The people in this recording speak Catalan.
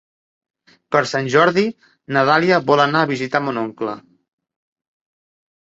Per Sant Jordi na Dàlia vol anar a visitar mon oncle.